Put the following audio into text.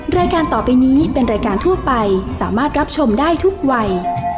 รายการต่อไปนี้เป็นรายการทั่วไปสามารถรับชมได้ทุกวัย